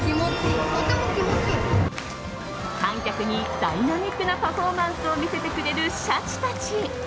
観客にダイナミックなパフォーマンスを見せてくれる、シャチたち。